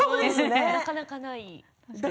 なかなか、ない。